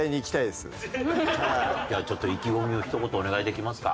じゃあちょっと意気込みをひと言お願いできますか？